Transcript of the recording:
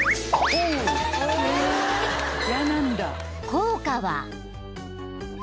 ［効果は］